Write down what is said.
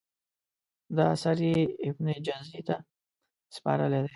دا اثر یې ابن جزي ته سپارلی دی.